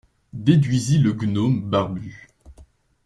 Déduisit le gnome barbu.